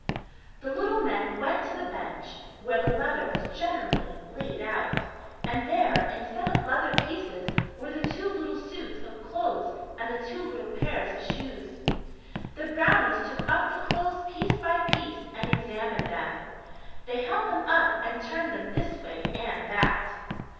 The little men went to the bench where the leather was generally laid out, and there, instead of leather pieces were the two little suits of clothes and the two little pairs of shoes. The brownies took up the clothes piece by piece and examined them; they held them up and turned them this way and that.